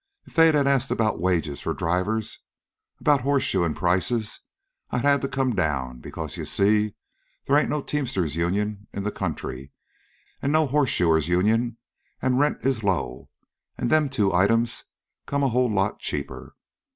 If they'd asked about wages for drivers, an' about horse shoein' prices, I'd a had to come down; because, you see, they ain't no teamsters' union in the country, an' no horseshoers' union, an' rent is low, an' them two items come a whole lot cheaper.